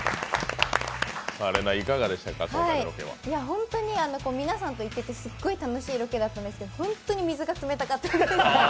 ほんとに皆さんと行けて楽しいロケだったんですけど、ホントに水が冷たかったんです。